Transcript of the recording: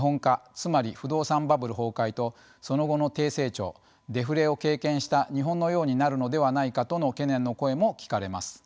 つまり不動産バブル崩壊とその後の低成長デフレを経験した日本のようになるのではないかとの懸念の声も聞かれます。